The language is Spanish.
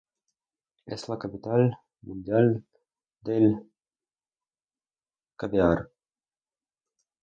Es la capital mundial del caviar.